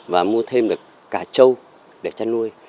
và mua thêm được cả trâu để chăn nuôi